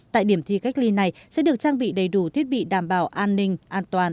tại điểm thi cách ly này sẽ được trang bị đầy đủ thiết bị đảm bảo an ninh an toàn